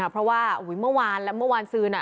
เพราะว่าเมื่อวานแล้วเมื่อวานซืน